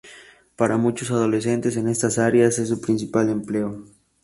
Para muchos adolescentes en estas áreas es su principal empleo.